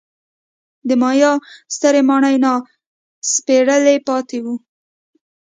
د مایا سترې ماڼۍ ناسپړلي پاتې وو.